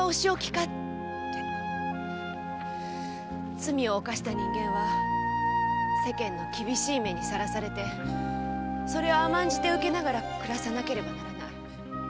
罪を犯した人間は世間の厳しい目にさらされてそれを甘んじて受けながら暮らさなければならない。